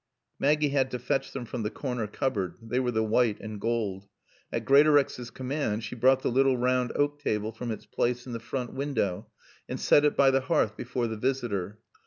Maggie had to fetch them from the corner cupboard (they were the white and gold). At Greatorex's command she brought the little round oak table from its place in the front window and set it by the hearth before the visitor.